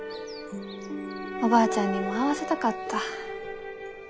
おばあちゃんにも会わせたかった。